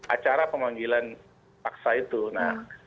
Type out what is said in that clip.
acara pemanggilan paksa itu nah